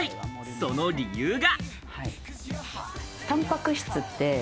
その理由が。